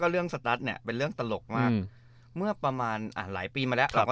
เรื่องสตัสเนี่ยเป็นเรื่องตลกมากเมื่อประมาณหลายปีมาแล้ว